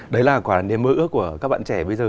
đấy là niềm mơ ước của các bạn trẻ bây giờ